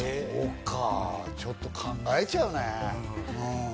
そうかぁ、ちょっと考えちゃうね。